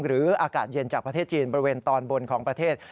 อากาศเย็นจากประเทศจีนบริเวณตอนบนของประเทศ